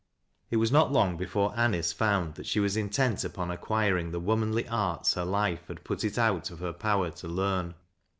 It was not long before Anice found that she wa? intent upon acquii ing the womanly arts her life had put it out of her power to learn.